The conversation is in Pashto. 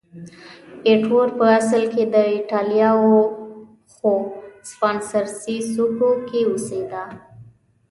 ایټور په اصل کې د ایټالیا و، خو په سانفرانسیسکو کې اوسېده.